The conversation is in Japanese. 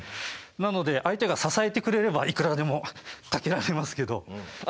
なので相手が支えてくれればいくらでもかけられますけど。